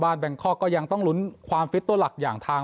บ้านแบงค์คอร์กก็ยังต้องลุ้นความตัวหลักอย่างทาง